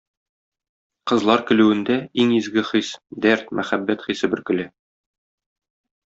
Кызлар көлүендә иң изге хис - дәрт, мәхәббәт хисе бөркелә.